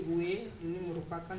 w ini merupakan